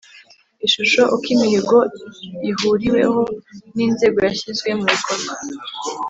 Ishusho Uko imihigo ihuriweho n inzego yashyizwe mu bikorwa